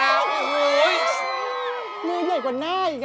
มือกว่าหน้าอีกอ่ะ